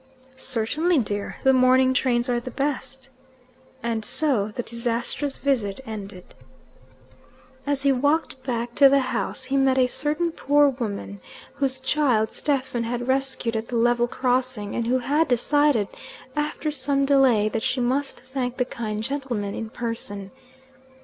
"Certainly, dear. The morning trains are the best." And so the disastrous visit ended. As he walked back to the house he met a certain poor woman, whose child Stephen had rescued at the level crossing, and who had decided, after some delay, that she must thank the kind gentleman in person.